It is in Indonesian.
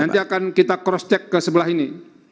nanti akan kita cross check ke sebelah ini